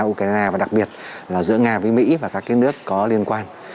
ukraine và đặc biệt là giữa nga với mỹ và các nước có liên quan